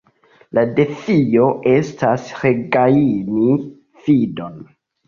la defio estas regajni fidon”.